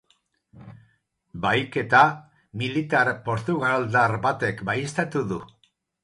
Bahiketa militar portugaldar batek baieztatu du.